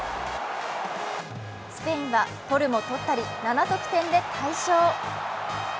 スペインは取るも取ったり７得点で大勝。